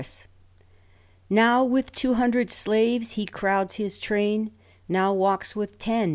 *' Now with two hundred slaves he crowds his train ; Now walks with ten.